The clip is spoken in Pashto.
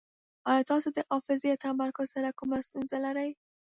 ایا تاسو د حافظې یا تمرکز سره کومه ستونزه لرئ؟